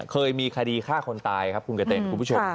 เคยมีคดีฆ่าคนตายครับคุณกระเต็นคุณผู้ชม